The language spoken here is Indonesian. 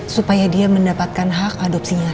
supaya dia mendapatkan hak adopsinya